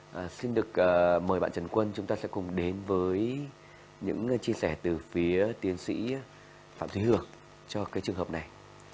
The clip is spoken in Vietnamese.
vâng xin được mời bạn trần quân chúng ta sẽ cùng đến với những chia sẻ từ phía tiến sĩ phạm thúy hược cho cái trường hợp này